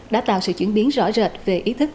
đã tạo sự chuyển biến rõ rệt về ý thức